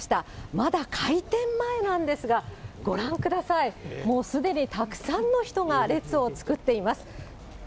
まだ開店前なんですが、ご覧ください、もうすでにたくさん人が列を作っています。